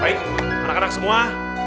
baik anak anak semua